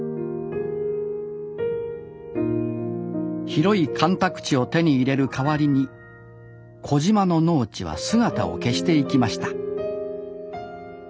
広い干拓地を手に入れる代わりに小島の農地は姿を消していきました